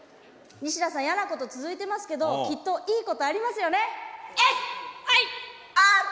ニシダさん嫌なこと続いてますけどきっといいことありますよね？